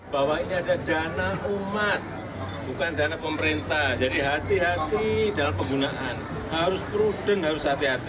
bahwa ini ada dana umat bukan dana pemerintah jadi hati hati dalam penggunaan harus prudent harus hati hati